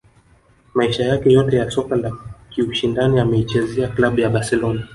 Maisha yake yote ya soka la kiushindani ameichezea klabu ya Barcelona